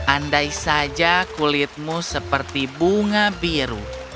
andai saja kulitmu seperti bunga biru